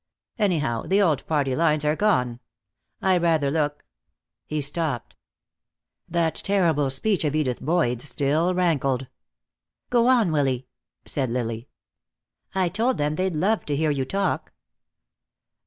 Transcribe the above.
Anyhow, the old party lines are gone. I rather look " He stopped. That terrible speech of Edith Boyd's still rankled. "Go on, Willy," said Lily. "I told them they'd love to you talk."